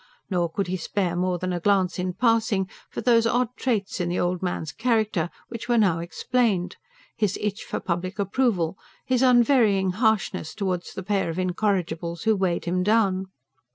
Nor could he spare more than a glance in passing for those odd traits in the old man's character which were now explained: his itch for public approval; his unvarying harshness towards the pair of incorrigibles who weighed him down.